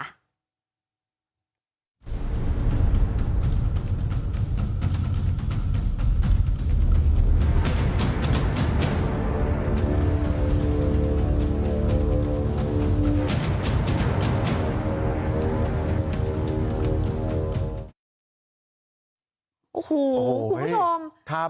โอ้โหคุณผู้ชมครับ